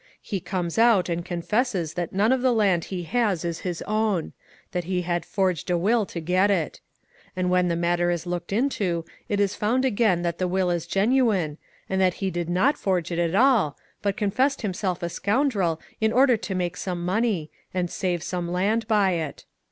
He comes out and confesses that none of the land he has is his own — that he had forged a will to get it. And when the matter is looked into it is found again that the will is genuine, that he did not forge it at all, but confessed himself a scoundrel in order to make some money, and save some land by it.